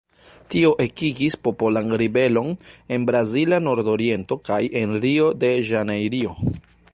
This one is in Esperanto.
Tio ekigis popolan ribelon en Brazila Nordoriento kaj Rio-de-Ĵanejrio.